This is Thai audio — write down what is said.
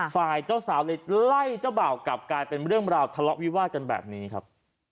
ฝ่ายเจ้าสาวเลยไล่เจ้าบ่าวกลับกลายเป็นเรื่องราวทะเลาะวิวาดกันแบบนี้ครับ